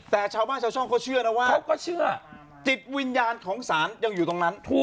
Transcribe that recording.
แต่ชาวบ้านชาวช่องเขาเชื่อนะว่าเขาก็เชื่อจิตวิญญาณของศาลยังอยู่ตรงนั้น